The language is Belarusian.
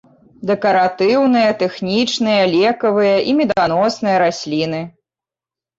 Дэкаратыўныя, тэхнічныя, лекавыя і меданосныя расліны.